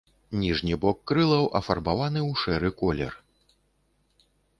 Ніжні бок крылаў афарбаваны ў шэры колер.